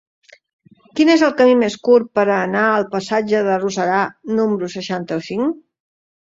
Quin és el camí més curt per anar al passatge del Roserar número seixanta-cinc?